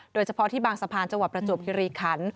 โดยเฉพาะที่บางสะพานจังหวัดประจวบคิริคัน